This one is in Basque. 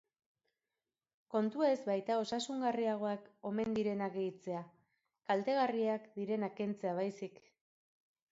Kontua ez baita osasungarriagoak omen direnak gehitzea, kaltegarriak direnak kentzea baizik.